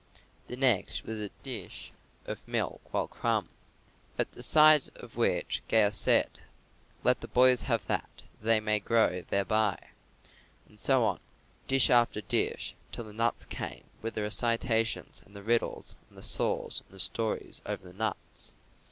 The next was a dish of milk well crumbed. At the sight of which Gaius said, "Let the boys have that, that they may grow thereby." And so on, dish after dish, till the nuts came with the recitations and the riddles and the saws and the stories over the nuts.